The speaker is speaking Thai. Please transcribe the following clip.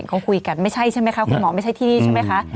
เขาคุยกันไม่ใช่ใช่ไหมคะคุณหมอไม่ใช่ที่นี่ใช่ไหมคะ